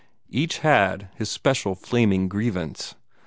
Each had his special flaming grievance.